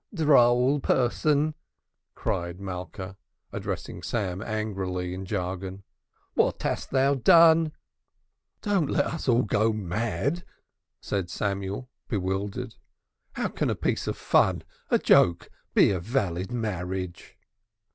"Droll person!" cried Malka, addressing Sam angrily in jargon. "What hast thou done?" "Don't let us all go mad," said Samuel, bewildered. "How can a piece of fun, a joke, be a valid marriage?"